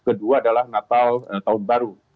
kedua adalah natal tahun baru